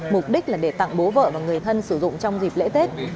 mục đích là để tặng bố vợ và người thân sử dụng trong dịp lễ tết